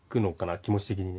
気持ち的に。